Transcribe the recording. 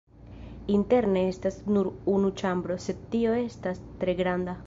Interne estas nur unu ĉambro, sed tio estas tre granda.